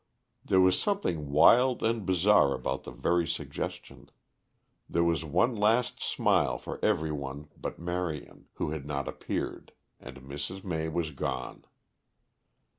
There was something wild and bizarre about the very suggestion. There was one last smile for every one but Marion, who had not appeared, and Mrs. May was gone.